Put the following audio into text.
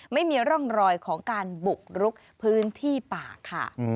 ไม่มีร่องรอยของการบุกรุกพื้นที่ป่าค่ะ